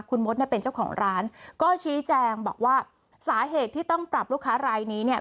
คุณมดเนี่ยเป็นเจ้าของร้านก็ชี้แจงบอกว่าสาเหตุที่ต้องปรับลูกค้ารายนี้เนี่ย